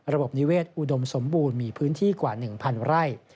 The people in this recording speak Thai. ระบบนิเวศอุดมสมบูรณ์มีพื้นที่กว่า๑๐๐ไร่